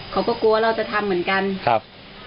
อ๋อเขาก็กลัวเราจะทำเหมือนกัน